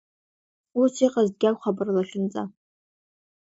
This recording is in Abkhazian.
Ус иҟазҭгьы акәхап рлахьынҵа.